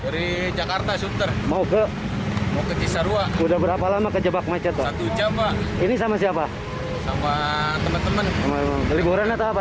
liburan atau apa